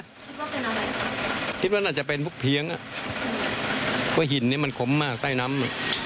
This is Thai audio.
คิดว่าเป็นอะไรคะคิดว่าน่าจะเป็นพวกเพียงอ่ะเพราะหินนี้มันขมมากใต้น้ำ